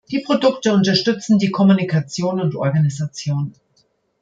Die Produkte unterstützen die Kommunikation und Organisation.